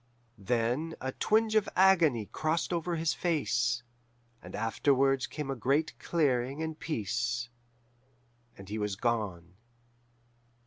Then a twinge of agony crossed over his face, and afterwards came a great clearing and peace, and he was gone.